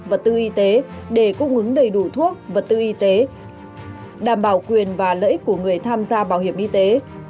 vật tư y tế để cung ứng đầy đủ thuốc vật tư y tế đảm bảo quyền và lợi ích của người tham gia bảo hiểm y tế